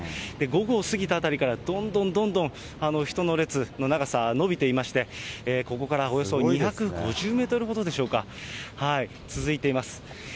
午後を過ぎたあたりからどんどんどんどん人の列の長さ、延びていまして、ここからおよそ２５０メートルほどでしょうか、続いています。